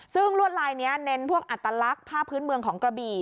ซึ่งลวดลายนี้เน้นพวกอัตลักษณ์ผ้าพื้นเมืองของกระบี่